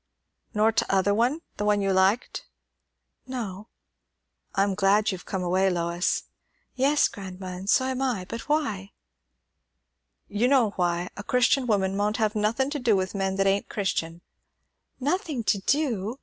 "Nor t'other one? the one you liked." "No." "I'm glad you've come away, Lois." "Yes, grandma, and so am I; but why?" "You know why. A Christian woman maunt have nothin' to do with men that ain't Christian." "Nothing to do!